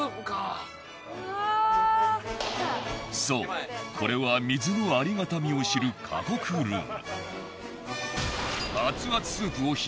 そうこれは水のありがたみを知る過酷ルール。